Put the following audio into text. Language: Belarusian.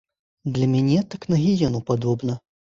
Для мяне так на гіену падобна.